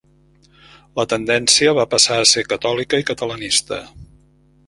La tendència va passar a ser catòlica i catalanista.